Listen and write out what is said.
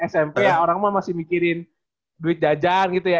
smp orang mah masih mikirin duit jajan gitu ya